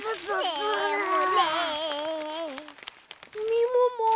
みもも